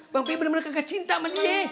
bang pi bener bener gak cinta sama dia